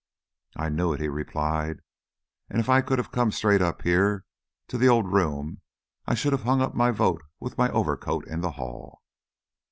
"I knew it," he replied, "and if I could have come straight up here to the old room, I should have hung up the vote with my overcoat in the hall."